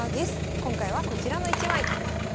今回はこちらの１枚。